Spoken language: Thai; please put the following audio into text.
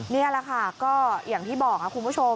นี่แหละค่ะก็อย่างที่บอกค่ะคุณผู้ชม